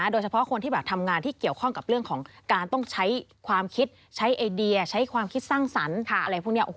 โดยเฉพาะคนที่ทำงานที่เกี่ยวข้องกับเรื่องของการต้องใช้ความคิดใช้ไอเดียใช้ความคิดสร้างสรรค์อะไรพวกนี้